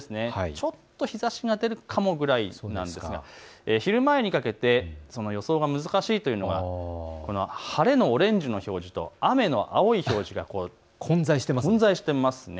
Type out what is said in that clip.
ちょっと日ざしが出るかもという予想ですが昼前にかけて予想が難しいというのは晴れのオレンジの表示と雨の青い表示が混在しています。